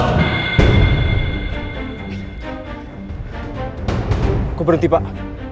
aku berhenti pak